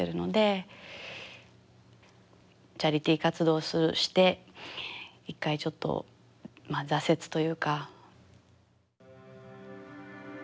チャリティー活動をして一回ちょっとまあ挫折というか。